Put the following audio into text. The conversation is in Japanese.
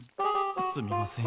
すみません。